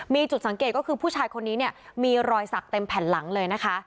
มีจุดสังเกตก็คือผู้ชายคนนี้เนี่ยมีรอยสักเต็มแผ่นหลังเลยนะคะ